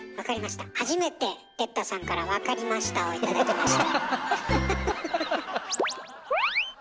初めて哲太さんから「わかりました」を頂きました。